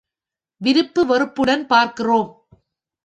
விருப்பு வெறுப்புடன் பார்க்கிறோம்.